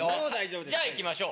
じゃあいきましょう。